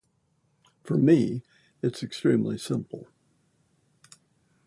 For me it's extremely simple!